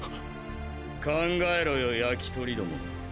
考えろよ焼き鳥ども